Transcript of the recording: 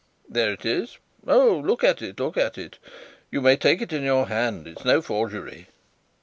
There it is. Oh, look at it, look at it! You may take it in your hand; it's no forgery."